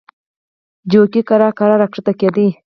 جوګي کرار کرار را کښته کېدی.